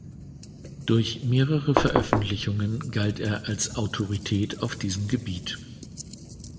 Durch mehrere Veröffentlichungen galt er als Autorität auf diesem Gebiet.